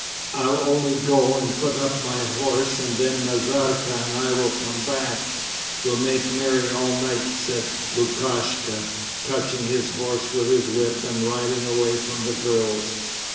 "I'll only go and put up my horse and then Nazarka and I will come back; we'll make merry all night," said Lukashka, touching his horse with his whip and riding away from the girls.